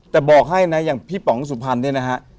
แต่บอกให้นะอย่างพี่ป๋องสุพรรณเนี่ยนะฮะ